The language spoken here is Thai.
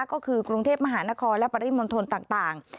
ก็คือกรุงเทพมหานครและปริมณฑลต่าง